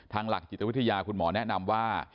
หลักจิตวิทยาคุณหมอแนะนำว่า